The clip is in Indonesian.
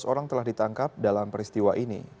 empat belas orang telah ditangkap dalam peristiwa ini